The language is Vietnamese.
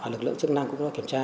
lực lượng chức năng cũng kiểm tra